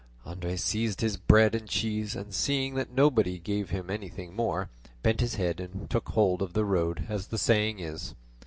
Andres seized his bread and cheese, and seeing that nobody gave him anything more, bent his head, and took hold of the road, as the saying is.